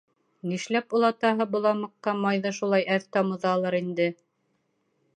Нишләп олатаһы боламыҡҡа майҙы шулай әҙ тамыҙалыр инде?